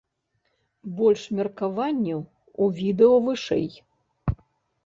Больш меркаванняў у відэа вышэй.